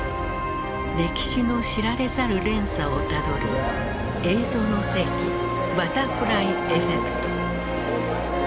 歴史の知られざる連鎖をたどる「映像の世紀バタフライエフェクト」。